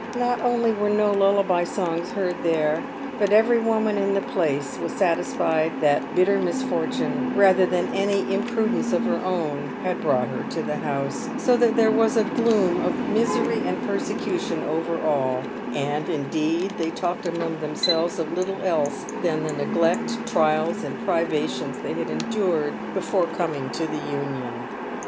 Not only were no lullaby songs heard there, but every woman in the place was satisfied that bitter misfortune, rather than any imprudence of her own, had brought her to " the house," so that there was a gloom of misery and persecution over all ; and, indeed, they talked among themselves of little else than the neglect, trials, and privations they had endured before coming to the Union.